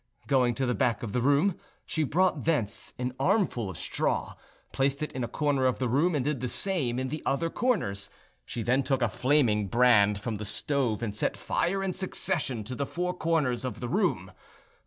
Going to the back of the room, she brought thence an armful of straw, placed it in a corner of the room, and did the same in the other corners. She then took a flaming brand from the stove and set fire in succession to the four corners of the room.